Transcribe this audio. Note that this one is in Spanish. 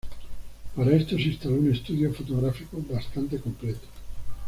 Para esto se instaló un estudio fotográfico bastante completo.